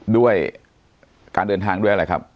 ด้วยการเดินทางด้วยอะไรครับ